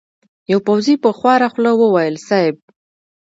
يوه پوځي په خواره خوله وويل: صېب!